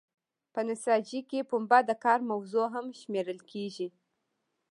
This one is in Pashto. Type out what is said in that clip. په نساجۍ کې پنبه د کار موضوع هم شمیرل کیږي.